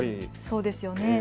そうですよね。